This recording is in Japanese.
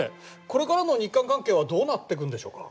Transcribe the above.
これからの日韓関係はどうなってくんでしょうか？